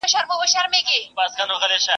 افغانستان د یو روښانه او باسواده سبا په هیله دی.